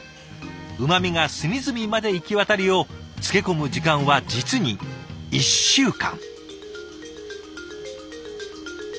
うまみが隅々まで行き渡るよう漬け込む時間は実に１週間。